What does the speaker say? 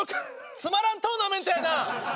つまらんトーナメントやな。